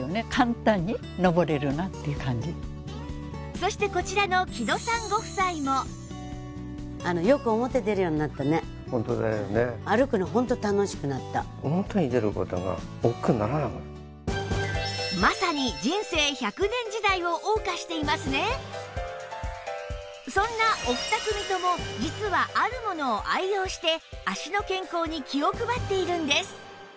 そしてこちらのまさにそんなお二組とも実はあるものを愛用して足の健康に気を配っているんです